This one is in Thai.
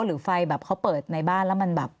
หรือไฟแบบเขาเปิดในบ้านแล้วมันแบบ